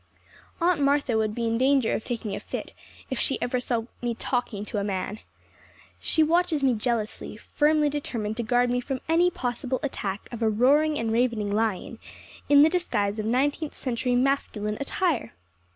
Aunt Martha would be in danger of taking a fit if she ever saw me talking to a man. She watches me jealously, firmly determined to guard me from any possible attack of a roaring and ravening lion in the disguise of nineteenth century masculine attire.